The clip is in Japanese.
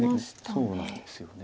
そうなんですよね。